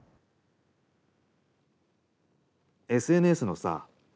ＳＮＳのさ